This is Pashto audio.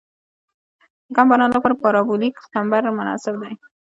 د کم باران لپاره پارابولیک کمبر مناسب دی